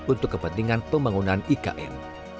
untuk kepentingan pembangunan ikn